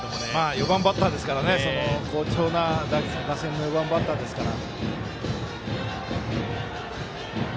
４番バッターですから好調な打線の４番バッターですから。